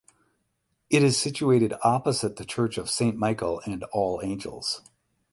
It is situated opposite the Church of Saint Michael and All Angels.